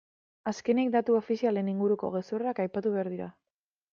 Azkenik, datu ofizialen inguruko gezurrak aipatu behar dira.